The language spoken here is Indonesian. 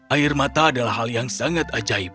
air mata adalah hal yang sangat ajaib